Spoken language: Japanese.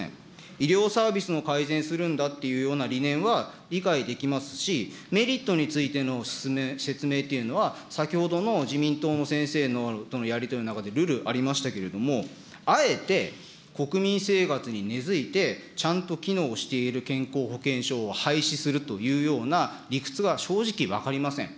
医療サービスの改善をするんだという理念は理解できますし、メリットについての説明というのは、先ほどの自民党の先生とのやり取りの中でるるありましたけれども、あえて、国民生活に根付いて、ちゃんと機能している健康保険証を廃止するというような理屈は正直分かりません。